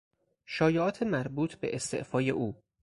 شایعات مربوط به استعفای او